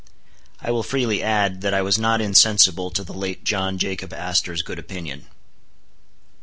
I will freely add, that I was not insensible to the late John Jacob Astor's good opinion.